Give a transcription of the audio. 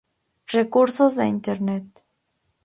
Recursos de internet